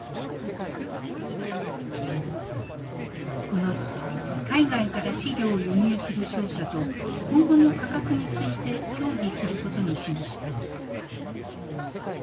この日海外から飼料を輸入する商社と今後の価格について協議することにしました。